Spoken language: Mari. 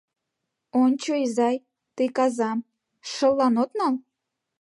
— Ончо, изай, тый казам... шыллан от нал?